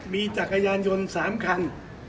มีจักรยานยนต์๓คัน